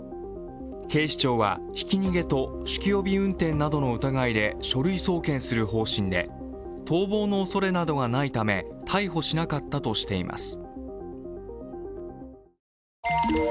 警視庁は、ひき逃げと酒気帯び運転などの疑いで書類送検する方針で逃亡のおそれなどがないため逮捕しなかったとしています。